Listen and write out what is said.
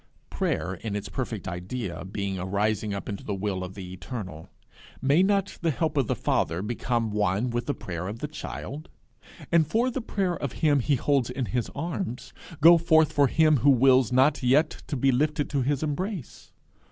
Prayer in its perfect idea being a rising up into the will of the Eternal, may not the help of the Father become one with the prayer of the child, and for the prayer of him he holds in his arms, go forth for him who wills not yet to be lifted to his embrace?